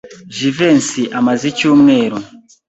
Jivency amaze icyumweru.